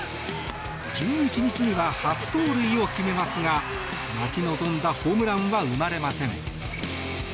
１１日には初盗塁を決めますが待ち望んだホームランは生まれません。